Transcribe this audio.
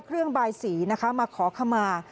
เครื่องบายสีมาขอขมา